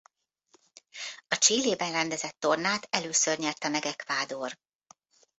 A Chilében rendezett tornát először nyerte meg Ecuador.